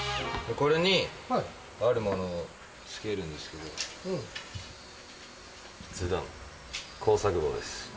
これにあるものをつけるんですけど、ずどん、工作棒です。